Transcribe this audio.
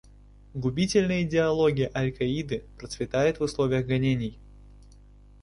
Губительная идеология «Аль-Каиды» процветает в условиях гонений.